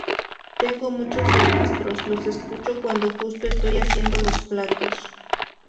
Tengo muchos registros, los escucho cuándo justo estoy haciendo los platos.